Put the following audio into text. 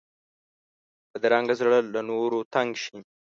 بدرنګه زړه له نورو تنګ شي